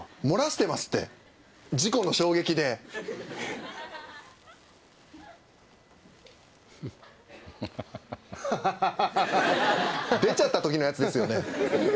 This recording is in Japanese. もらしてますって事故の衝撃で出ちゃった時のやつですよね